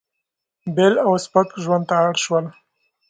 بېل او سپک ژوند ته اړ شول.